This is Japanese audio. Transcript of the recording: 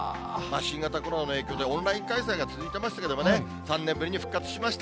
新型コロナの影響で、オンライン開催が続いてましたけどもね、３年ぶりに復活しました。